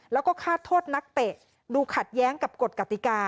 แล้วก็ฆ่าโทษนักเตะดูขัดแย้งกับกฎกติกา